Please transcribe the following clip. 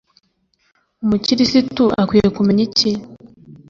umukirisitu akwiye kumenya iki